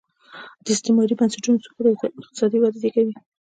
د استعماري بنسټونو سقوط اقتصادي وده وزېږوي.